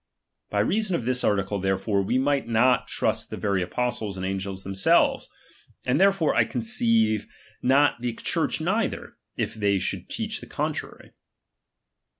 By reason of this article, therefore, we might not trust the very apostles and angels themselves, and therefore, 1 conceive, not the Church neither, if they should teach the contrary.